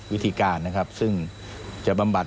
วิธีการนะครับซึ่งจะบำบัด